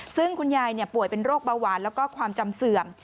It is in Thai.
ซึ่งคุณยายป่วยเป็นโรคเบาหวานแล้วก็ความจำเสื่อม